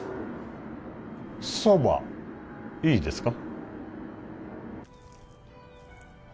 蕎麦いいですか？